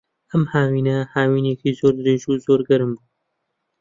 ئەم هاوینە، هاوینێکی زۆر درێژ و زۆر گەرم بوو.